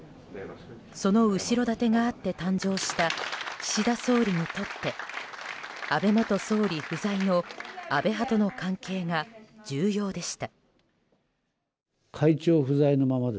その後ろ盾があって誕生した岸田総理にとって安倍元総理不在の安倍派との関係が重要でした。